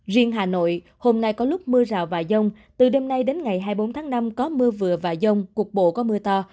riêng hà nội hôm nay có lúc mưa rào và dông từ đêm nay đến ngày hai mươi bốn tháng năm có mưa vừa và dông cục bộ có mưa to